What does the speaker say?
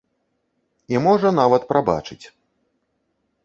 І можа, нават прабачыць.